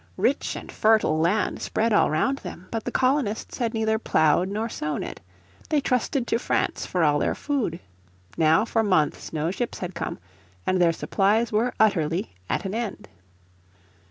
Rich and fertile land spread all round them, but the colonists had neither ploughed nor sown it. They trusted to France for all their food. Now for months no ships had come, and their supplies were utterly at an end.